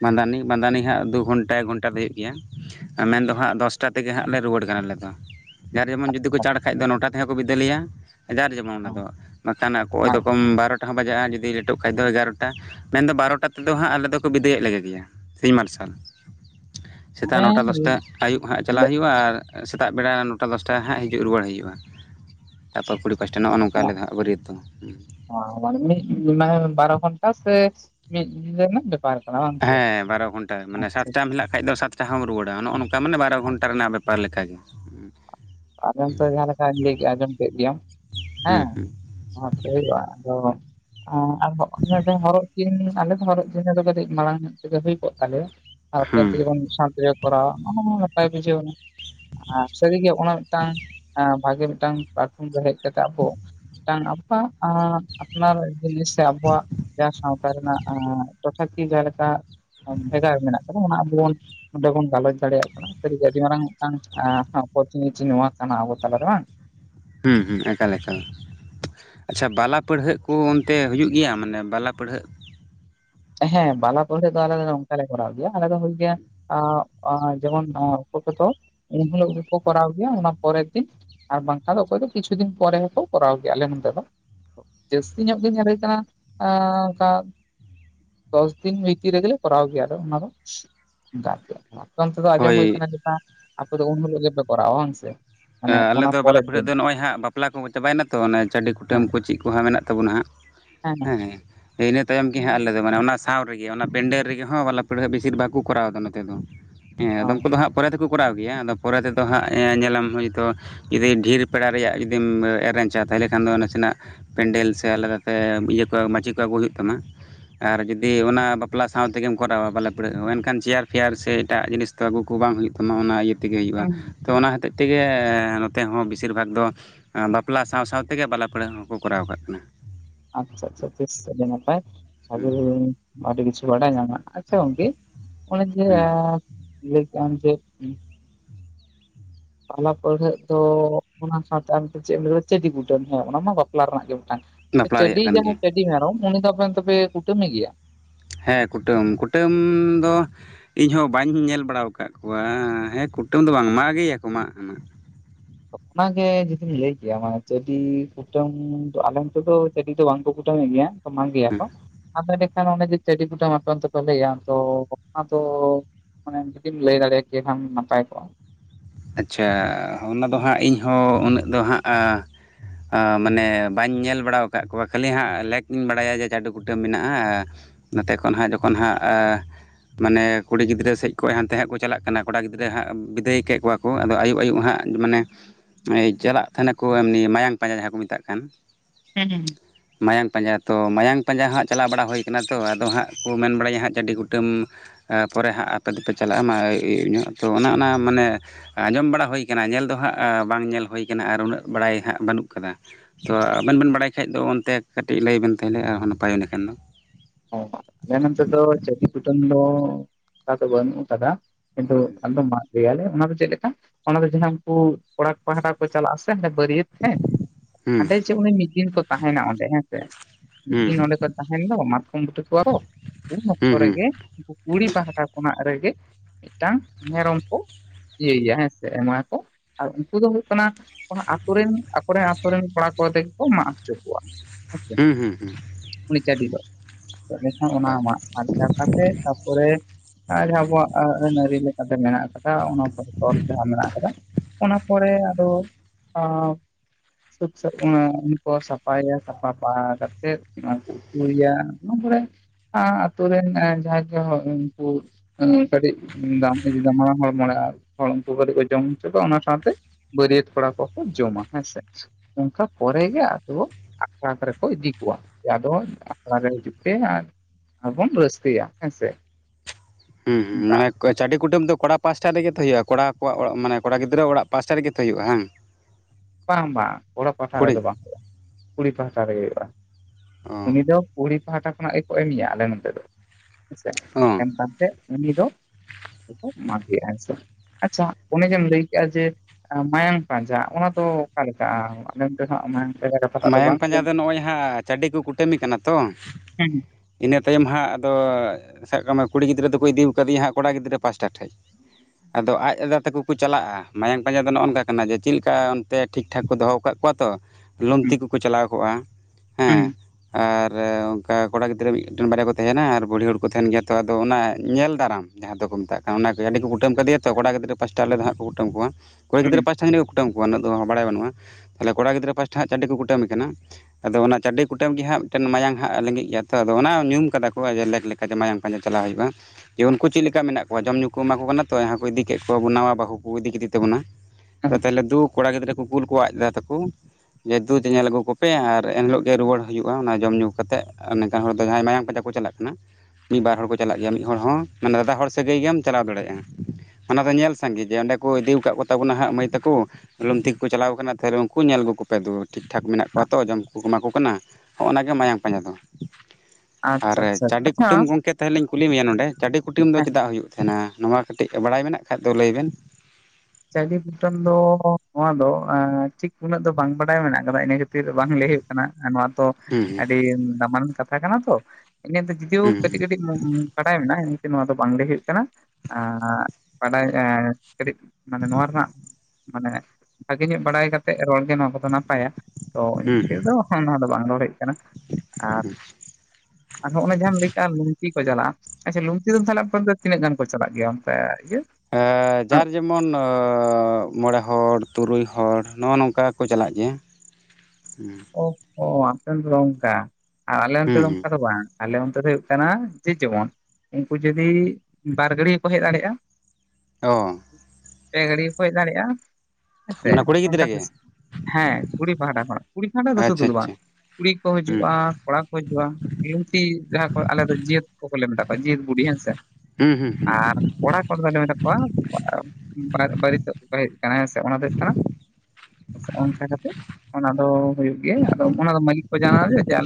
ᱵᱟᱸᱫᱟᱱᱤ ᱵᱟᱸᱫᱟᱱᱤ ᱦᱟᱸᱜ ᱫᱩ ᱜᱷᱚᱱᱴᱟ ᱮᱠ ᱜᱷᱚᱱᱴᱟ ᱫᱚ ᱦᱩᱭᱩᱜ ᱜᱮᱭᱟ ᱟᱨ ᱢᱮᱱ ᱫᱚ ᱦᱟᱸᱜ ᱫᱚᱥᱴᱟ ᱛᱮᱜᱮ ᱦᱟᱸᱜ ᱞᱮ ᱨᱩᱣᱟᱹᱲ ᱠᱟᱱᱟ ᱞᱮᱫᱚ ᱡᱟᱨ ᱡᱮᱢᱚᱱ ᱡᱩᱫᱤ ᱠᱚ ᱪᱟᱲ ᱴᱚᱴᱟ ᱛᱮᱦᱚᱸ ᱠᱚ ᱵᱤᱫᱟᱹᱞᱮᱭᱟ ᱡᱟᱨ ᱡᱮᱢᱚᱱ ᱚᱱᱟ ᱫᱚ ᱵᱟᱠᱷᱟᱱ ᱚᱠᱚᱭ ᱢᱟᱱᱮ ᱛᱚᱠᱚᱢ ᱵᱟᱨᱚᱴᱟ ᱦᱚᱸ ᱵᱟᱡᱟᱜᱼᱟ ᱡᱩᱫᱤ ᱞᱮᱴᱚᱜ ᱠᱷᱟᱡ ᱫᱚ ᱮᱜᱟᱨᱚᱴᱟ ᱢᱮᱱᱫᱚ ᱵᱟᱨᱚᱴᱟ ᱛᱮᱫᱚ ᱦᱟᱸᱜ ᱟᱞᱮ ᱫᱚᱠᱚ ᱵᱤᱫᱟᱹᱭᱮᱫ ᱞᱮᱭᱮ ᱜᱮᱭᱟ ᱥᱤᱧ ᱢᱟᱨᱥᱟᱞ ᱥᱮᱛᱟᱜ ᱱᱚᱴᱟ ᱫᱚᱥᱴᱟ ᱟᱹᱭᱩᱵ ᱦᱟᱸᱜ ᱪᱟᱞᱟᱜ ᱦᱩᱭᱩᱜᱼᱟ ᱟᱨ ᱥᱮᱛᱟᱜ ᱵᱮᱲᱟ ᱱᱚᱴᱟ ᱫᱚᱥᱴᱟ ᱦᱟᱸᱜ ᱦᱤᱡᱩᱜ ᱨᱩᱣᱟᱹᱲ ᱦᱩᱭᱩᱜᱼᱟ ᱛᱟᱯᱚᱨ ᱠᱩᱲᱤ ᱯᱟᱥᱴᱟ ᱱᱚᱜᱼᱚ ᱱᱚᱝᱠᱟ ᱟᱞᱮ ᱫᱚ ᱦᱟᱸᱜ ᱵᱟᱹᱨᱭᱟᱹᱛ ᱫᱚ [inaudible] ᱢᱤᱫ ᱵᱟᱨᱚ ᱜᱷᱚᱱᱴᱟ ᱥᱮ ᱢᱤᱫ [inaudible] ᱵᱮᱯᱟᱨ ᱠᱟᱱᱟ ᱵᱟᱝ ᱥᱮ ᱦᱮᱸ ᱵᱟᱨᱚ ᱜᱷᱚᱱᱴᱟ ᱢᱟᱱᱮ ᱟᱪᱪᱷᱟ ᱥᱟᱛᱴᱟᱢ ᱦᱤᱞᱟᱜ ᱠᱷᱟᱡ ᱫᱚ ᱥᱟᱛᱴᱟᱢ ᱦᱚᱢ ᱨᱩᱣᱟᱹᱲᱟ [inaudible] ᱠᱟ ᱢᱟᱱᱮ ᱵᱟᱨᱚ ᱜᱷᱚᱱᱴᱟ ᱨᱮᱱᱟᱜ ᱵᱮᱯᱟᱨ ᱞᱮᱠᱟᱜᱤ ᱟᱸᱡᱚᱢ ᱛᱚ ᱡᱟᱦᱟᱸ ᱞᱮᱠᱟ ᱞᱟᱹᱭ [inaudible] ᱟᱸᱡᱚᱢ ᱠᱮᱫ ᱜᱮᱭᱟᱢ ᱦᱩᱸ ᱦᱮᱸ ᱦᱩᱸ [unintelligible] ᱦᱩᱭᱩᱜ-ᱟ ᱾ᱟᱫᱚ ᱦᱚᱨᱚ ᱪᱤᱱ ᱟᱞᱮ ᱫᱚ ᱦᱚᱨᱚᱜ᱾ ᱱᱮᱛᱟᱨ ᱫᱚ ᱠᱟᱹᱴᱤᱡ ᱢᱟᱲᱟᱝ ᱧᱚᱜ ᱛᱮᱜᱮ ᱦᱩᱭ ᱠᱚᱜ ᱛᱟᱞᱮᱭᱟ ᱦᱩᱸ ᱾ᱥᱟᱣᱛᱮ [unintelligible] ᱠᱚᱨᱟᱣ ᱚᱱᱟ ᱦᱚᱸ ᱱᱟᱯᱟᱭ ᱵᱩᱡᱷᱟᱹᱣᱱᱟ ᱟᱨ ᱥᱟᱨᱤ ᱜᱮ ᱚᱱᱟ ᱢᱤᱫ ᱢᱤᱫᱴᱟᱝ ᱟ ᱵᱷᱟᱜᱮ ᱢᱤᱫᱴᱟᱝ ᱯᱞᱟᱴᱯᱷᱚᱨᱢ ᱨᱮ ᱦᱮᱡ ᱠᱟᱛᱮᱜ ᱟᱵᱚ ᱢᱤᱫᱴᱟᱝ ᱟᱵᱟ ᱟᱨ ᱟᱯᱱᱟᱨ [unintelligible] ᱟᱵᱚᱣᱟᱜ ᱡᱟᱦᱟᱸ ᱥᱟᱶᱛᱟ ᱨᱮᱱᱟᱜ ᱟᱸ ᱴᱚᱴᱷᱟᱠᱤ ᱡᱟᱦᱟᱸ ᱞᱮᱠᱟ ᱵᱷᱮᱜᱟᱨ ᱢᱮᱱᱟᱜ ᱟᱠᱟᱫᱟ ᱚᱱᱟ ᱟᱨ ᱡᱮᱢᱚᱱ ᱚᱸᱰᱮ ᱵᱚᱱ ᱜᱟᱞᱚᱪ ᱫᱟᱲᱮᱭᱟ- ᱜ ᱠᱟᱱᱟ᱾ ᱥᱟᱹᱨᱤ ᱟᱹᱰᱤ ᱢᱟᱨᱟᱝ ᱢᱤᱫᱴᱟᱝ, ᱚᱯᱚᱨᱪᱩᱱᱤᱴᱤ ᱱᱚᱣᱟ ᱠᱟᱱᱟ᱾ ᱟᱵᱚ ᱛᱟᱞᱟᱨᱮ ᱵᱟᱝ? ᱦᱩᱸ ᱦᱩᱸ ᱮᱠᱟᱞ ᱮᱠᱟᱞ᱾ ᱟᱪᱪᱷᱟ ᱵᱟᱞᱟ ᱯᱟᱹᱲᱦᱟᱹᱜ ᱠᱚ ᱚᱱᱛᱮ ᱦᱩᱭᱩᱜ ᱜᱮᱭᱟ ᱢᱟᱱᱮ ᱵᱟᱞᱟ ᱯᱟᱹᱲᱦᱟᱹᱜ᱾ ᱦᱮᱸ ᱵᱟᱞᱟ ᱯᱟᱹᱲᱦᱟᱹ ᱫᱚ ᱟᱞᱮ ᱱᱚᱝᱠᱟᱞᱮ ᱠᱚᱨᱟᱣ ᱜᱮᱭᱟ᱾ ᱟᱞᱮ ᱫᱚ ᱦᱩᱭᱜ ᱜᱮᱭᱟ ᱟ ᱟ ᱡᱮᱢᱚᱱ ᱟᱨ ᱚᱠᱚᱭ ᱠᱚᱫᱚ ᱩᱱᱦᱤᱞᱳᱜ ᱜᱮᱠᱚ ᱠᱚᱨᱟᱣ ᱠᱮᱭᱟ ᱚᱱᱟ ᱯᱚᱨᱮᱨ ᱫᱤᱱ᱾ ᱟᱨ ᱵᱟᱝᱠᱷᱟᱱ ᱫᱚ ᱚᱠᱚᱭ ᱫᱚ ᱠᱤᱪᱷᱩ ᱫᱤᱱ ᱯᱚᱨᱮ ᱦᱚᱸᱠᱚ ᱠᱚᱨᱟᱣ ᱜᱮᱭᱟ, ᱟᱞᱮ ᱱᱚᱰᱮ ᱫᱚ᱾ ᱡᱟᱹᱥᱛᱤ ᱧᱚᱜ ᱜᱤ ᱧᱮᱞ ᱦᱩᱭ ᱠᱟᱱᱟ ᱟ ᱚᱱᱠᱟ ᱫᱚᱥ ᱫᱤᱱ ᱵᱷᱤᱛᱤᱨ ᱨᱮᱜᱮᱞᱮ ᱠᱚᱨᱟᱣ ᱜᱮᱭᱟ ᱚᱱᱟ ᱫᱚ [unintelligible] ᱟᱯᱮ ᱚᱱᱛᱮ ᱫᱚ ᱟᱸᱡᱚᱢ ᱦᱩᱭ ᱦᱳᱭ ᱟᱠᱟᱱᱟ ᱪᱮᱛᱟ ᱟᱯᱮ ᱫᱚ ᱩᱱ ᱦᱤᱞᱳᱜ ᱜᱮᱯᱮ ᱠᱚᱨᱟᱣᱟ ᱵᱟᱝ ᱥᱮ᱾ ᱢᱟᱱᱮ ᱦᱮᱸ ᱟᱞᱮ ᱚᱱᱟ ᱫᱚ ᱵᱟᱞᱟ ᱯᱚᱨᱮᱨ ᱯᱟᱹᱲᱦᱟᱹᱜ ᱫᱤᱱ ᱫᱚ ᱱᱚᱜᱼᱚᱭ ᱦᱟᱸᱜ ᱵᱟᱯᱞᱟ ᱠᱚ ᱪᱟᱵᱟᱭᱮᱱᱟ ᱛᱚ ᱚᱱᱮ ᱪᱟᱹᱰᱤ ᱠᱩᱴᱟᱹᱢ ᱦᱮᱸ ᱠᱚ ᱪᱮᱫ ᱠᱚ ᱦᱟᱸᱜ ᱢᱮᱱᱟᱜ ᱛᱟᱵᱚᱱᱟ ᱦᱟᱸᱜ᱾ ᱦᱮᱸ ᱦᱮᱸ᱾ ᱤᱱᱟᱹ ᱛᱟᱭᱚᱢ ᱜᱮ ᱦᱟᱸᱜ ᱟᱞᱮ ᱫᱚ ᱢᱟᱱᱮ ᱚᱱᱟ ᱥᱟᱶ ᱨᱮᱜᱮ ᱚᱱᱟ ᱯᱮᱱᱰᱮᱞ ᱨᱮᱜᱮ ᱦᱚᱸ ᱵᱟᱞᱟ ᱯᱤᱲᱦᱟᱹ ᱵᱮᱥᱤᱨ ᱵᱷᱟᱜᱠᱚ ᱠᱚᱨᱟᱣ ᱮᱫᱟ ᱱᱚᱛᱮ ᱫᱚ᱾ ᱦᱮᱸ ᱚ ᱟᱫᱚᱢ ᱠᱚᱫᱚ ᱦᱟᱸᱜ ᱯᱚᱨᱮ ᱛᱮᱠᱚ ᱠᱚᱨᱟᱣ ᱜᱮᱭᱟ᱾ ᱟᱫᱚ ᱯᱚᱨᱮ ᱛᱮᱫᱚ ᱦᱟᱸᱜ ᱮᱸ ᱧᱮᱞᱟᱢ ᱦᱳᱭᱛᱚ ᱛᱚ ᱡᱩᱫᱤ ᱰᱷᱤᱨ ᱯᱮᱲᱟ ᱨᱮᱭᱟᱜ ᱡᱩᱫᱤᱢ ᱮᱨᱮᱱᱪᱟ ᱛᱟᱦᱚᱞᱮ ᱠᱷᱟᱱ ᱫᱚ ᱱᱟᱥᱮᱱᱟᱜ ᱯᱮᱱᱰᱮᱞ ᱥᱮ ᱟᱞ ᱞᱮᱠᱟᱛᱮ, ᱤᱭᱟᱹ ᱠᱚ ᱢᱟᱹᱪᱤ ᱠᱚ ᱟᱹᱜᱩ ᱦᱩᱭᱩᱼᱜ ᱛᱟᱢᱟ᱾ ᱟᱨ ᱡᱩᱫᱤ ᱚᱱᱟ ᱵᱟᱯᱞᱟ ᱥᱟᱶ ᱛᱮᱜᱮᱢ ᱠᱚᱨᱟᱣᱟ ᱵᱟᱞᱟ ᱯᱟᱹᱲᱦᱟᱹᱜ ᱦᱚᱸ᱾ ᱮᱱᱠᱷᱟᱱ ᱪᱮᱭᱟᱨ ᱯᱷᱮᱭᱟᱨ ᱥᱮ ᱮᱴᱟᱜ ᱡᱤᱱᱤᱥ ᱛᱚ ᱟᱹᱜᱩ ᱠᱚ ᱵᱟᱝ ᱦᱩᱭᱩᱜ ᱛᱟᱢᱟ᱾ ᱚᱱᱟ ᱤᱭᱟᱹ ᱛᱮᱜᱮ ᱦᱩᱭᱩᱜᱼᱟ᱾ ᱦᱩᱸ ᱦᱩᱸ᱾ ᱛᱚ ᱚᱱᱟ ᱦᱚᱛᱮᱡ ᱛᱮᱜᱮ ᱦᱮᱸ ᱱᱚᱛᱮ ᱦᱚᱸ ᱵᱮᱥᱤᱨ ᱵᱷᱟᱜᱽ ᱫᱚ ᱟᱸ ᱵᱟᱯᱞᱟ ᱥᱟᱶ ᱥᱟᱶᱛᱮᱜᱮ ᱵᱟᱞᱟ ᱯᱟᱹᱲᱦᱟᱹ ᱦᱚᱸᱠᱚ ᱠᱚᱨᱟᱣ ᱠᱟᱜ ᱠᱟᱱᱟ᱾ ᱟᱪᱪᱷᱟ ᱟᱪᱪᱷᱟ ᱵᱮᱥ ᱟᱹᱰᱤ ᱱᱟᱯᱟᱭ ᱦᱮᱸ [unintelligible] ᱟᱹᱰᱤ ᱠᱤᱪᱷᱩ ᱵᱟᱰᱟᱭ ᱧᱟᱢᱟ᱾ ᱟᱪᱪᱷᱟ ᱜᱚᱝᱠᱮ ᱚᱱᱮ ᱡᱮ ᱦᱮᱸ ᱟᱻ ᱞᱟᱹᱭ ᱠᱮ-ᱟᱢ ᱡᱮ ᱯᱟᱞᱟ ᱯᱟᱹᱲᱦᱟᱹᱜ ᱫᱚ, ᱚᱱᱟ ᱥᱟᱶᱛᱮ ᱟᱢ ᱪᱮᱫ ᱮᱢ ᱞᱟᱹᱭᱟ᱾ ᱪᱟᱹᱰᱤ ᱠᱩᱴᱟᱹᱱ ᱦᱮᱸ ᱚᱱᱟ ᱢᱟ ᱵᱟᱯᱞᱟ ᱨᱮᱱᱟᱜ ᱜᱮ ᱢᱤᱫᱴᱟᱝ᱾ ᱵᱟᱯᱞᱟ ᱪᱟᱹᱰᱤ ᱨᱮᱭᱟᱜ ᱠᱟᱱ ᱜᱮᱭᱟ ᱡᱟᱦᱟᱸᱭ ᱪᱟᱹᱰᱤ ᱢᱮᱨᱚᱢ ᱩᱱᱤ ᱫᱚ ᱟᱵᱮᱱ ᱫᱚᱯᱮ ᱠᱩᱴᱟᱹᱢᱮ ᱜᱮᱭᱟ? ᱦᱮᱸ ᱠᱩᱴᱟᱹᱢ᱾ ᱠᱩᱴᱟᱹᱢ ᱫᱚ ᱤᱧ ᱦᱚᱸ ᱵᱟᱹᱧ ᱧᱮᱞ ᱵᱟᱲᱟᱣ ᱟᱠᱟᱫ ᱠᱚᱣᱟ᱾ ᱦᱮᱸ ᱠᱩᱴᱟᱹᱢ ᱫᱚ ᱵᱟᱝ ᱢᱟᱜᱮᱭᱟᱠᱚ ᱢᱟᱜ ᱢᱟᱜ᱾ ᱚᱱᱟᱜᱮ ᱡᱩᱫᱤᱢ ᱞᱟᱹᱭ ᱠᱮᱭᱟ ᱢᱟᱱᱮ ᱪᱟᱹᱰᱤ ᱠᱩᱴᱟᱹᱢ ᱫᱚ ᱟᱞᱮ ᱱᱤᱛᱚᱜ ᱫᱚ ᱪᱟᱹᱰᱤ ᱫᱚ ᱵᱟᱝᱠᱚ ᱠᱩᱴᱟᱹᱢᱮᱫ ᱜᱮᱭᱟ᱾ ᱥᱚᱢᱟᱱ ᱜᱤᱭᱟ ᱠᱚ ᱟᱠᱚ ᱠᱷᱟᱱ ᱚᱱᱮᱫᱚ ᱪᱟᱹᱰᱤ ᱠᱩᱴᱟᱹᱢ ᱟᱯᱮ ᱚᱱᱛᱮ ᱠᱚ ᱞᱮᱭᱟ᱾ ᱟᱫᱚ ᱚᱱᱟᱫᱚ ᱢᱟᱱᱮ ᱡᱩᱫᱤᱢ ᱞᱟᱹᱭ ᱫᱟᱲᱮ ᱠᱮᱭᱟ ᱠᱷᱟᱱ ᱱᱟᱯᱟᱭ ᱠᱚᱜᱼᱟ᱾ ᱟᱪᱪᱷᱟ ᱚᱱᱟ ᱫᱚ ᱦᱟᱸᱜ ᱤᱧᱦᱚᱸ ᱩᱱᱟᱹᱜ ᱫᱚ ᱦᱟᱸᱜ ᱟ ᱟ ᱢᱟᱱᱮ ᱵᱟᱹᱧ ᱧᱮᱞ ᱵᱟᱲᱟᱣ ᱠᱟᱜ ᱠᱚᱣᱟ, ᱠᱷᱟᱹᱞᱤ ᱦᱟᱸᱜ ᱞᱮᱠ ᱤᱧ ᱵᱟᱲᱟᱭᱟ ᱡᱮ ᱪᱟᱹᱰᱤ ᱠᱩᱴᱟᱹᱢ ᱢᱮᱱᱟᱜᱼᱟ᱾ ᱱᱚᱛᱮ ᱠᱷᱚᱱ ᱦᱟᱸᱜ ᱡᱚᱠᱷᱚᱱ ᱦᱟᱸᱜ ᱟ ᱢᱟᱱᱮ ᱠᱩᱲᱤ ᱜᱤᱫᱽᱨᱟᱹ ᱥᱮᱡ ᱠᱷᱚᱡ ᱦᱟᱱᱛᱮ ᱦᱟᱜ ᱠᱚ ᱪᱟᱞᱟᱜ ᱠᱟᱱᱟ᱾ ᱠᱚᱲᱟ ᱜᱤᱫᱽᱨᱟᱹ ᱦᱟᱸᱜ ᱵᱤᱫᱟᱹᱭ ᱠᱮᱫ ᱠᱚᱣᱟ᱾ ᱠᱚ ᱟᱫᱚ ᱟᱹᱭᱩᱵ ᱟᱹᱭᱩᱵ ᱦᱟᱸᱜ ᱢᱟᱱᱮ ᱱᱚᱭ ᱪᱟᱞᱟᱜ ᱛᱟᱦᱮᱱᱟᱠᱚ ᱮᱢᱱᱤ ᱢᱟᱭᱟᱝ ᱯᱟᱸᱡᱟ ᱡᱟᱦᱟᱸ ᱠᱚ ᱢᱮᱛᱟᱜ ᱠᱟᱱ᱾ ᱦᱮᱸ ᱦᱸ ᱢᱟᱭᱟᱝ ᱯᱟᱸᱡᱟ ᱛᱚ ᱢᱟᱭᱟᱝ ᱯᱟᱸᱡᱟ ᱦᱟᱸᱜ ᱪᱟᱞᱟᱣ ᱵᱟᱲᱟ ᱦᱩᱭ ᱠᱟᱱᱟ ᱛᱚ᱾ ᱟᱫᱚ ᱦᱟᱸᱜ ᱠᱚ ᱢᱮᱱ ᱵᱟᱲᱟᱭᱟ ᱦᱟᱸᱜ ᱪᱟᱹᱰᱤ ᱠᱩᱴᱟᱹᱢ᱾ ᱟ ᱯᱚᱨᱮ ᱦᱟᱸᱜ ᱟᱯᱮ ᱫᱚᱯᱮ ᱪᱟᱞᱟᱜᱼᱟ ᱢᱟ ᱟᱹᱭᱩᱵ ᱟᱹᱭᱩᱵ ᱧᱚᱜ ᱛᱚ ᱚᱱᱮ ᱚᱱᱟ ᱢᱟᱱᱮ ᱟᱸᱡᱚᱢ ᱵᱟᱲᱟ ᱦᱩᱭ ᱟᱠᱟᱱᱟ᱾ ᱧᱮᱞ ᱫᱚ ᱦᱟᱸᱜ ᱟ ᱵᱟᱝ ᱧᱮᱞ ᱦᱩᱭ ᱠᱟᱱᱟ ᱟᱨ ᱩᱱᱟᱹᱜ ᱵᱟᱲᱟᱭ ᱦᱟᱸᱜ ᱵᱟᱹᱱᱩᱜ ᱠᱟᱫᱟ᱾ ᱛᱚ ᱟᱵᱮᱱ ᱵᱮᱱ ᱵᱟᱲᱟᱭ ᱠᱷᱟᱡ ᱫᱚ ᱚᱱᱛᱮ ᱠᱟᱹᱴᱤᱡ ᱞᱟᱹᱭ ᱵᱮᱱ ᱛᱟᱦᱚᱞᱮ ᱟᱨᱦᱚᱸ ᱱᱟᱯᱟᱭ ᱤᱱᱟᱹ ᱠᱷᱟᱱ ᱫᱚ᱾ ᱚ ᱟᱞᱮ ᱱᱚᱱᱛᱮ ᱫᱚ ᱪᱟᱹᱰᱤ ᱠᱩᱴᱟᱹᱱ ᱫᱚ ᱚᱱᱠᱟ ᱫᱚ ᱵᱟᱹᱱᱩᱜ ᱟᱠᱟᱫᱟ᱾ [unintelligible] ᱞᱭᱟᱞᱮ᱾ ᱚᱱᱟ ᱫᱚ ᱪᱮᱫ ᱞᱮᱠᱟ? ᱚᱱᱟ ᱫᱚ ᱡᱟᱦᱟᱸ ᱩᱱᱠᱩ ᱠᱚᱲᱟ ᱯᱟᱦᱴᱟ ᱠᱚ ᱪᱟᱞᱟᱜ ᱥᱮ ᱦᱟᱸᱵᱮ ᱵᱟᱹᱨᱭᱟᱹᱛ ᱦᱮᱸ᱾ ᱦᱮᱸ ᱦᱟᱸᱰᱮ ᱪᱮ ᱩᱱᱤ ᱢᱤᱫ ᱫᱤᱱ ᱠᱚ ᱛᱟᱦᱮᱱᱟ ᱚᱸᱰᱮ ᱦᱮᱸᱥᱮ, ᱢᱤᱫ ᱦᱮᱸ ᱫᱤᱱ ᱚᱸᱰᱮ ᱠᱚ ᱛᱟᱦᱮᱱ ᱫᱚ ᱢᱟ ᱠᱚᱢ ᱵᱩᱴᱟᱹ ᱠᱚᱣᱟ ᱠᱚ, ᱩᱱ ᱦᱮᱸ ᱚᱠᱛᱚ ᱨᱮ ᱦᱮᱸ ᱜᱮ ᱩᱝᱠᱩ ᱠᱩᱲᱤ ᱯᱟᱦᱴᱟ ᱠᱷᱚᱱᱟᱜ ᱨᱮ ᱜᱮ ᱢᱤᱫᱴᱟᱝ ᱢᱮᱨᱚᱢ ᱠᱚ ᱤᱭᱟᱹᱭ-ᱭᱟ ᱦᱮᱸ ᱥᱮ ᱮᱢᱟᱭᱟᱠᱚ ᱟᱨ ᱩᱱᱠᱩ ᱫᱚ ᱦᱩᱭᱩᱜ ᱠᱟᱱᱟ ᱚᱱᱟᱛᱩᱨ ᱨᱮᱱ ᱟᱠᱚᱨᱮᱱᱛ ᱨᱮᱱ ᱠᱚᱲᱟ ᱠᱚ ᱛᱮᱜᱮ ᱠᱚ ᱢᱟᱜ ᱦᱚᱪᱚ ᱠᱚᱣᱟ ᱦᱮᱸᱥᱮ ᱦᱮᱸ ᱦᱮᱸ ᱦᱮᱸ ᱩᱱᱤ ᱪᱟᱹᱰᱤ ᱫᱚ ᱮᱱᱠᱷᱟᱱ ᱚᱱᱟ ᱦᱳᱭ ᱟᱢᱟᱜ [unintelligible] ᱯᱷᱟᱨᱪᱟ ᱠᱟᱛᱮ ᱛᱟᱯᱚᱨᱮ ᱟᱨ ᱟᱵᱚᱣᱟᱜ ᱟᱹᱱᱤ ᱞᱮᱠᱟᱛᱮ ᱢᱮᱱᱟᱜ ᱟᱠᱟᱫᱟ ᱚᱱᱟ ᱯᱷᱚᱥᱚᱞ ᱡᱟᱦᱟᱸ ᱢᱮᱱᱟᱜ ᱟᱠᱟᱫᱟ ᱚᱱᱟ ᱯᱚᱨᱮ ᱟᱫᱚ ᱥᱩᱠ ᱥ [inaudible] ᱠᱚ ᱥᱟᱯᱟᱭᱟ ᱥᱟᱯᱟᱯ ᱠᱟᱛᱮᱫ ᱚᱱᱟ ᱠᱚ ᱩᱛᱩᱭᱟ ᱚᱱᱟᱯᱚᱨᱮ ᱟᱛᱩᱨ ᱨᱮᱱ ᱡᱟᱦᱟᱸᱭ ᱠᱚ ᱦᱚᱲ ᱩᱱᱠᱩ ᱠᱟᱹᱴᱤᱡ ᱫᱟ ᱫ ᱦᱚᱲᱢᱚ ᱦᱚᱲ ᱠᱚ ᱠᱚ ᱡᱚᱢ ᱦᱚᱪᱚ ᱚᱱᱟ ᱥᱟᱶᱛᱮ ᱵᱟᱹᱨᱭᱟᱹᱛ ᱠᱚᱲᱟ ᱠᱚᱠᱚ ᱡᱚᱢᱟ ᱦᱮᱸ ᱥᱮ ᱚᱱᱠᱟ ᱯᱚᱨᱮ ᱜᱮ ᱟᱫᱚ ᱟᱠᱷᱲᱟ ᱠᱚᱨᱮᱠᱚ ᱤᱫᱤ ᱠᱚᱣᱟ ᱟᱫᱚ ᱟᱠᱷᱲᱟ ᱨᱮ ᱦᱤᱡᱩᱜ ᱠᱟᱱᱟ ᱛᱮ ᱟᱨ ᱟᱨᱵᱚᱱ ᱨᱟᱹᱥᱠᱟᱹᱭᱟ ᱦᱮᱸ ᱥᱮ ᱦᱮᱸ ᱦᱮᱸ ᱢᱟᱱᱮ ᱪᱟᱹᱰᱤ ᱠᱩᱴᱟᱹᱢ ᱫᱚ ᱠᱚᱲᱟ ᱯᱟᱥᱟᱴᱟ ᱨᱮᱜᱮ ᱦᱩᱭᱩᱜᱼᱟ ᱠᱚᱲᱟ ᱠᱚᱣᱟᱜ ᱢᱟᱱᱮ ᱠᱚᱲᱟ ᱜᱤᱫᱽᱨᱟᱹ ᱚᱲᱟᱜ ᱯᱟᱥᱴᱟ ᱨᱮᱜᱮ ᱦᱩᱭᱩᱜᱼᱟ ᱵᱟᱝᱟᱝ [inaudible] ᱵᱟᱝ ᱵᱟᱝ ᱠᱚᱲᱟ ᱯᱟᱦᱴᱟ ᱨᱮᱫᱚ ᱵᱟᱝ ᱦᱩᱭᱩᱜᱼᱟ ᱠᱩᱲᱤ ᱯᱟᱦᱴᱟ ᱨᱮᱜᱮ ᱦᱩᱭᱩᱜᱼᱟ ᱚ ᱩᱱᱤ ᱫᱚ ᱠᱩᱲᱤ ᱯᱟᱦᱟᱴᱟ ᱠᱷᱚᱱᱟᱜ ᱜᱮᱠᱚ ᱮᱢᱤᱭᱟ ᱟᱞᱮ ᱱᱚᱛᱮ ᱫᱚ ᱦᱮ ᱥᱮ ᱚ [inaudible] ᱮᱢ ᱠᱟᱛᱮᱫ ᱩᱱᱤ ᱫᱚ ᱢᱟᱜᱮᱜᱼᱟ ᱦᱮᱸ ᱥᱮ ᱟᱪᱪᱷᱟ ᱚᱱᱮ ᱡᱮᱢ ᱞᱟᱹᱭ ᱠᱮᱫᱼᱟ ᱡᱮ ᱢᱟᱭᱟᱝ ᱯᱟᱸᱡᱟ ᱚᱱᱟ ᱫᱚ ᱚᱠᱟᱞᱮᱠᱟ ᱟᱞᱮ ᱱᱚᱛᱮ ᱫᱚ ᱦᱟᱸᱜ ᱯᱟᱸᱡᱟ ᱠᱟᱛᱷᱟᱴᱟᱜ ᱫᱚ ᱢᱟᱭᱟᱝ ᱵᱟᱝ ᱯᱟᱸᱡᱟ ᱟᱸᱡᱚᱢ ᱫᱚ ᱱᱚᱜᱼᱚᱭ ᱦᱟᱸᱜ ᱪᱟᱹᱰᱤ ᱠᱚ ᱠᱩᱴᱟᱹᱢᱤ ᱮ ᱠᱟᱱᱟ ᱛᱚ ᱦᱩᱸ ᱤᱱᱟᱹ ᱛᱟᱭᱚᱢ ᱦᱟᱸᱜ ᱟᱫᱚ ᱥᱟᱵ ᱠᱟᱜ ᱢᱮ ᱠᱩᱲᱤ ᱜᱤᱫᱽᱨᱟᱹ ᱫᱚᱠᱚ ᱤᱫᱤ ᱟᱠᱟᱫᱮᱭᱟ ᱦᱟᱸᱜ ᱠᱚᱲᱟ ᱜᱤᱫᱽᱨᱟᱹ ᱯᱟᱥᱴᱟ ᱴᱷᱮᱡ ᱟᱫᱚ ᱟᱡ ᱟᱫᱟ ᱛᱟᱠᱚ ᱠᱚ ᱪᱟᱞᱟᱜᱼᱟ ᱢᱟᱭᱟᱝ ᱯᱟᱸᱡᱟ ᱫᱚ ᱱᱚᱜᱚ ᱱᱚᱝᱠᱟ ᱠᱟᱱᱟ ᱡᱮ ᱪᱮᱫ ᱞᱮᱠᱟ ᱚᱱᱛᱮ ᱴᱷᱤᱠ ᱴᱷᱟᱠ ᱠᱚ ᱫᱚᱦᱚ ᱟᱠᱟᱫ ᱠᱚᱣᱟ ᱛᱚ ᱞᱚᱝᱛᱤ ᱦᱩᱸ ᱠᱚᱠᱚ ᱪᱟᱞᱟᱣ ᱠᱚᱜᱼᱟ ᱦᱩᱸ ᱦᱮᱸ ᱟᱨ ᱚᱱᱠᱟ ᱠᱚᱲᱟ ᱜᱤᱫᱽᱨᱟᱹ ᱢᱤᱫᱴᱮᱱ ᱵᱟᱨᱭᱟ ᱠᱚ ᱛᱟᱦᱮᱱᱟ ᱟᱨ ᱵᱩᱲᱦᱤ ᱦᱚᱲ ᱠᱚ ᱛᱟᱦᱮᱱ ᱜᱮᱭᱟ ᱛᱚ ᱟᱫᱚ ᱚᱱᱟ ᱧᱮᱞ ᱫᱟᱨᱟᱢ ᱡᱟᱦᱟᱸ ᱫᱚᱠᱚ ᱢᱮᱛᱟᱜ ᱠᱟᱱᱟ ᱚᱱᱟ [unintelligible] ᱠᱚ ᱠᱩᱴᱟᱹ ᱠᱟᱫᱮᱭᱟ ᱛᱚ ᱠᱚᱲᱟ ᱜᱤᱫᱽᱨᱟᱹ ᱯᱟᱥᱟᱴᱟ ᱟᱜ ᱫᱚ ᱦᱟᱸᱜ ᱠᱚ ᱠᱩᱴᱟᱹᱢ ᱠᱚᱣᱟ ᱠᱩᱲᱟ ᱦᱩᱸ ᱜᱤᱫᱽᱨᱟᱹ ᱯᱟᱥᱴᱟ ᱡᱟᱱᱤᱡ ᱠᱚ ᱠᱩᱴᱟᱹᱢ ᱠᱚᱣᱟ ᱩᱱᱟᱹᱜ ᱫᱚ ᱵᱟᱲᱟᱭ ᱵᱟᱹᱱᱩᱜᱼᱟ ᱛᱟᱦᱚᱞᱮ ᱠᱚᱲᱟ ᱜᱤᱫᱽᱨᱟᱹ ᱯᱟᱥᱴᱟ ᱦᱟᱸᱜ ᱪᱟᱹᱰᱤ ᱠᱚ ᱠᱩᱴᱟᱹᱢ ᱮ ᱠᱟᱱᱟ ᱟᱫᱚ ᱚᱱᱟ ᱪᱟᱰᱤ ᱠᱩᱴᱟᱹᱢ ᱜᱮ ᱦᱟᱸᱜ ᱢᱤᱫᱴᱮᱱ ᱢᱟᱭᱟᱝ ᱦᱟᱸᱜ ᱞᱸᱜᱤᱜ ᱜᱮᱭᱟ ᱛᱚ ᱟᱫᱚ ᱚᱱᱟ ᱧᱩᱢ ᱟᱠᱟᱫᱟ ᱠᱚ [unintelligible] ᱵᱟᱠᱷᱟᱡ ᱫᱚ ᱢᱟᱭᱟᱢ ᱯᱟᱸᱡᱟ ᱪᱟᱞᱟᱜ ᱦᱩᱭᱩᱜᱼᱟ ᱡᱮ ᱩᱱᱠᱩ ᱪᱮᱫ ᱞᱮᱠᱟ ᱢᱮᱱᱟᱜ ᱠᱚᱣᱟ ᱡᱚᱢ ᱧᱩ ᱠᱚ ᱮᱢᱟ ᱠᱚ ᱠᱟᱱᱟ ᱛᱚ ᱡᱟᱦᱟᱸᱭ ᱠᱚ ᱤᱫᱤ ᱠᱮᱫ ᱠᱚᱣᱟ ᱟᱵᱚ ᱱᱟᱣᱟ ᱵᱟᱹᱦᱩ ᱠᱚ ᱤᱫᱤ ᱠᱮᱫᱮ ᱛᱟᱵᱚᱱᱟ ᱦᱩᱸ ᱟᱫᱚ ᱦᱩᱸ ᱛᱟᱦᱞᱮ ᱫᱩ ᱠᱚᱲᱟ ᱜᱤᱫᱽᱨᱟᱹ ᱠᱚ ᱠᱩᱞ ᱠᱚᱣᱟ ᱟᱡ ᱫᱟᱫᱟ ᱛᱟᱠᱚ ᱡᱮ ᱫᱩ ᱧᱮᱞ ᱟᱹᱜᱩ ᱠᱚᱯᱮ ᱟᱨ ᱮᱱᱦᱤᱞᱳᱜ ᱜᱮ ᱨᱩᱣᱟᱹᱲ ᱦᱩᱭᱩᱜᱼᱟ ᱚᱱᱟ ᱡᱚᱢ ᱧᱩ ᱠᱟᱛᱮᱫ ᱱᱝᱠᱟᱱ ᱦᱚᱲ ᱫᱚ ᱡᱟᱦᱟᱸᱭ ᱢᱟᱭᱟᱢ ᱯᱟᱸᱡᱟ ᱠᱚ ᱪᱟᱞᱟᱜ ᱠᱟᱱᱟ ᱢᱤᱫ ᱵᱟᱨ ᱦᱚᱲ ᱠᱚ ᱪᱟᱞᱟᱜ ᱜᱮᱭᱟ ᱢᱤᱫ ᱦᱚᱲ ᱦᱚᱸ ᱢᱟᱱᱮ ᱫᱟᱫᱟ ᱦᱚᱲ ᱥᱟᱹᱜᱟᱹᱭ ᱜᱮᱢ ᱪᱟᱞᱟᱣ ᱫᱟᱲᱮᱭᱟᱜᱼᱟ ᱚᱱᱟ ᱫᱚ ᱧᱮᱞ ᱥᱟᱸᱜᱮ ᱡᱮ ᱚᱸᱰᱮ ᱠᱚ ᱤᱫᱤ ᱟᱠᱟᱫ ᱠᱚ ᱛᱟᱵᱚᱱᱟ ᱦᱟᱸᱜ ᱢᱟᱹᱭ ᱛᱟᱠᱚ ᱞᱚᱢᱛᱤ ᱠᱚ ᱪᱟᱞᱟᱣ ᱟᱠᱟᱱᱟ ᱛᱟᱦᱚᱞᱮ ᱩᱱᱠᱩ ᱧᱮᱞ ᱟᱜᱩ ᱠᱚᱯᱮ ᱫᱩ ᱴᱷᱤᱠ ᱴᱷᱟᱠ ᱢᱮᱱᱟᱜ ᱠᱚᱣᱟ ᱛᱚ ᱡᱚᱢ ᱠᱚᱠᱚ ᱮᱢᱟ ᱠᱚ ᱠᱟᱱᱟ ᱱᱚᱜᱚ-ᱱᱚᱣᱟ ᱜᱮ ᱢᱟᱭᱟᱝ ᱯᱟᱸᱡᱟ ᱫᱚ ᱟᱨ ᱟᱪᱪᱷᱟ ᱟᱪᱪᱷᱟ ᱪᱟᱹᱰᱤ ᱟᱪᱪᱷᱟ ᱠᱩᱴᱟᱹᱢ ᱜᱚᱢᱠᱮ ᱛᱟᱦᱮᱞᱮᱧ ᱠᱩᱞᱤ ᱢᱮᱭᱟ ᱱᱚᱸᱰᱮ ᱪᱟᱹᱰᱤ ᱠᱩᱴᱟᱹᱢ ᱫᱚ ᱦᱮᱸ ᱪᱮᱫᱟᱜ ᱦᱩᱭᱩᱜ ᱛᱟᱦᱮᱱᱟ ᱱᱚᱣᱟ ᱠᱟᱹᱴᱤᱡ ᱵᱟᱲᱟᱭ ᱢᱮᱱᱟᱜ ᱠᱷᱟᱡ ᱫᱚ ᱞᱟᱹᱭ ᱵᱮᱱ ᱪᱟᱹᱰᱤ ᱠᱩᱴᱟᱹᱱ ᱫᱚ ᱱᱚᱣᱟ ᱫᱚ ᱴᱷᱤᱠ ᱩᱱᱟᱹᱜ ᱫᱚ ᱵᱟᱝ ᱵᱟᱰᱟᱭ ᱢᱮᱱᱟᱜ ᱟᱠᱟᱫᱟ ᱤᱱᱟᱹ ᱠᱷᱟᱹᱛᱤᱨ ᱵᱟᱝ ᱞᱟᱹᱭ ᱦᱩᱭᱩᱜ ᱠᱟᱱᱟ ᱱᱚᱣᱟ ᱛᱚ ᱦᱩᱸ ᱟᱹᱰᱤ ᱫᱟᱢᱟᱱ ᱠᱟᱛᱷᱟ ᱠᱟᱱᱟ ᱛᱚ ᱤᱧᱟᱹᱜ ᱫᱚ ᱡᱳᱫᱤ-ᱳ ᱦᱩᱸ ᱠᱟᱹᱴᱤᱡ ᱠᱟᱹᱴᱤᱡ ᱵᱟᱰᱟᱭ ᱢᱮᱱᱟᱜᱼᱟ ᱮᱱᱛᱮ ᱱᱚᱣᱟ ᱫᱚ ᱵᱟᱝ ᱞᱟᱹᱭ ᱦᱩᱭᱩᱜ ᱠᱟᱱᱟ [unintelligible] ᱵᱟᱰᱟᱭ [unintelligible] ᱠᱟᱹᱴᱤᱡ ᱢᱟᱱᱮ ᱱᱚᱣᱟ ᱨᱮᱱᱟᱜ ᱢᱟᱱᱮ ᱵᱷᱟᱜᱮ ᱧᱚᱜ ᱵᱟᱲᱟᱭ ᱠᱟᱛᱮᱜ ᱨᱚᱲᱜᱮ ᱱᱚᱣᱟ ᱠᱚᱫᱚ ᱱᱟᱯᱟᱭᱟ ᱛᱚ ᱤᱱᱟᱹ ᱦᱩᱸ ᱦᱩᱸ ᱠᱷᱟᱹᱛᱤᱨ ᱫᱚ ᱦᱩᱸ ᱚᱱᱟ ᱫᱚ ᱵᱟᱝ ᱨᱚᱲ ᱦᱩᱭᱩᱜ ᱠᱟᱱᱟ ᱟᱨ ᱟᱨ ᱱᱚᱸᱜᱚᱭ ᱡᱟᱦᱟᱢ ᱞᱟᱹᱭ ᱠᱮᱫ-ᱟ ᱞᱩᱝᱛᱤᱡ ᱠᱚ ᱪᱟᱞᱟᱜᱼᱟ ᱟᱪᱪᱷᱟ ᱞᱩᱝᱛᱤ ᱫᱚ ᱛᱟᱦᱚᱞᱮ ᱟᱯᱮ ᱚᱱᱛᱮ ᱛᱤᱱᱟᱹᱜ ᱜᱟᱱ ᱠᱚ ᱪᱟᱞᱟᱜ ᱜᱮᱭᱟ ᱚᱱᱛᱮ ᱤᱭᱟᱹ ᱡᱟᱨ ᱡᱮᱢᱚᱱ ᱢᱚᱬᱮ ᱦᱚᱲ ᱛᱩᱨᱩᱭ ᱦᱚᱲ ᱱᱚᱜᱼᱚ ᱱᱚᱝᱠᱟ ᱠᱚ ᱪᱟᱞᱟᱜ ᱜᱮᱭᱟ ᱚᱦ-ᱦᱚ ᱟᱯᱮ ᱚᱱᱛᱮ ᱫᱚ ᱚᱱᱠᱟ ᱟᱨ ᱟᱞᱮ ᱚᱱᱛᱮ ᱦᱩᱸ ᱫᱚ ᱦᱩᱸ ᱚᱱᱠᱟ ᱫᱚ ᱵᱟᱝ ᱟᱞᱮ ᱚᱱᱛᱮ ᱫᱚ ᱦᱩᱭᱩᱜ ᱠᱟᱱᱟ ᱡᱮ ᱡᱮ-ᱡᱮᱢᱚᱱ ᱩᱱᱠᱩ ᱡᱩᱫᱤ ᱵᱟᱨ ᱜᱟᱹᱲᱤ ᱦᱚᱠᱚ ᱦᱮᱡ ᱫᱟᱲᱮᱭᱟᱜᱼᱟ ᱚ ᱯᱮ ᱜᱟᱹᱲᱤ ᱠᱚ ᱦᱮᱡ ᱫᱟᱲᱮᱭᱟᱜᱼᱟ ᱦᱮᱸ ᱥᱮ ᱢᱟᱱᱮ ᱠᱩᱲᱤ ᱚᱱᱠᱟ ᱜᱤᱫᱽᱨᱟᱹ ᱜᱮ ᱦᱮᱸ ᱠᱩᱲᱤ ᱯᱟᱦᱴᱟ ᱠᱷᱚᱱᱟᱜ ᱠᱩᱲᱤ ᱠᱷᱟᱱ ᱫᱚ ᱥᱩᱫᱷᱩ ᱟᱪᱪᱷᱟ ᱫᱚ ᱵᱟᱝ ᱟᱪᱪᱷᱟ ᱠᱩᱲᱤ ᱠᱚ ᱦᱩᱸ ᱦᱤᱡᱩᱜᱼᱟ ᱠᱚᱲᱟ ᱠᱚ ᱦᱤᱡᱩᱜᱼᱟ ᱞᱩᱝᱛᱤᱡ ᱡᱟᱦᱟᱸ ᱠᱚ ᱟᱞᱮ ᱫᱚ ᱡᱤᱭᱟᱹᱛ ᱠᱚ ᱠᱚᱞᱮ ᱢᱮᱛᱟ ᱠᱚᱣᱟ ᱡᱤᱭᱟᱹᱛ ᱵᱩᱰᱷᱤ ᱦᱮᱸᱥᱮ ᱦᱩᱸ ᱦᱩᱸ ᱦᱩᱸ ᱟᱨ ᱠᱚᱲᱟ ᱠᱚᱨᱮ ᱫᱚ ᱞᱮ ᱢᱮᱛᱟ ᱠᱚᱣᱟ ᱵᱟᱨᱮᱛᱚᱜ ᱠᱚ ᱦᱮᱡ ᱟᱠᱟᱱᱟ ᱦᱮᱸ ᱥᱮ ᱚᱱᱟ ᱫᱚ ᱦᱩᱭᱩᱜ ᱠᱟᱱᱟ ᱟᱪᱪᱷᱟ ᱚᱝᱠᱟ ᱠᱟᱛᱮ ᱛᱚ ᱦᱩᱭᱩᱜ ᱜᱮᱭᱟ ᱟᱫᱚ ᱚᱱᱟ ᱫᱚ ᱢᱟᱹᱞᱤᱠ ᱠᱚ ᱡᱟᱱᱟᱣ ᱟᱫᱮ